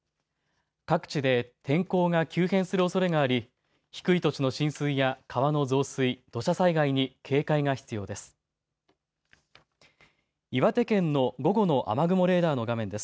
各地で天候が急変するおそれがあり低い土地の浸水や川の増水、土砂災害に警戒が必要です。